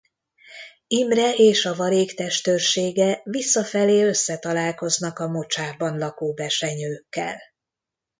Imre és a varég testőrsége visszafelé összetalálkoznak a mocsárban lakó besenyőkkel.